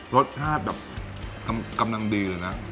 รสชาติแบบกำลังดีเลยนะ